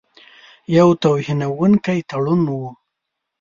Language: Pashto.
یو توهینونکی تړون وو.